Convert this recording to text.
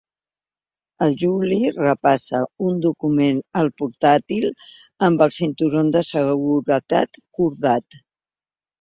El Juli repassa un document al portàtil, amb el cinturó de seguretat cordat.